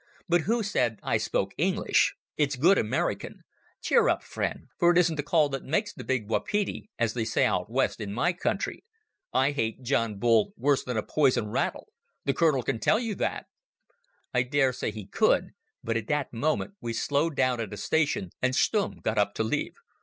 "But who said I spoke English? It's good American. Cheer up, friend, for it isn't the call that makes the big wapiti, as they say out west in my country. I hate John Bull worse than a poison rattle. The Colonel can tell you that." I dare say he could, but at that moment, we slowed down at a station and Stumm got up to leave.